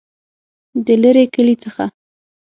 دلیري کلي څخه